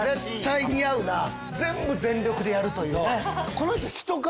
この人。